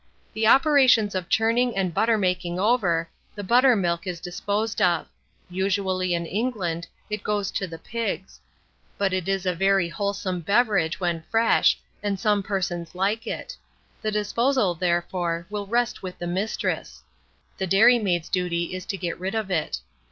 The operations of churning and butter making over, the butter milk is disposed of: usually, in England, it goes to the pigs; but it is a, very wholesome beverage when fresh, and some persons like it; the disposal, therefore, will rest with the mistress: the dairy maid's duty is to get rid of it.